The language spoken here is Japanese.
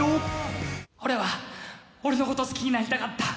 俺は俺の事を好きになりたかった！